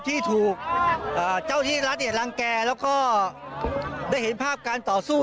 ที่ถูกเจ้าที่รัฐรังแก่แล้วก็ได้เห็นภาพการต่อสู้